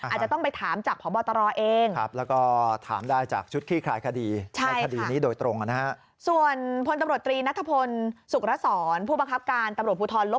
อาจจะต้องไปถามจากพ